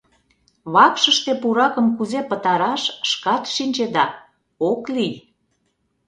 Вакшыште пуракым кузе пытараш, шкат шинчеда — ок лий.